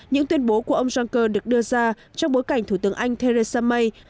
những tuyên bố của ông juncker được đưa ra trong bối cảnh thủ tướng anh theresa may